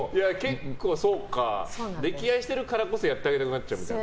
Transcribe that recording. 結構、溺愛してるからこそやってあげたくなっちゃうみたいな。